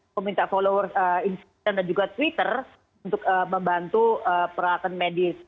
aku minta followers instagram dan juga twitter untuk membantu peralatan medis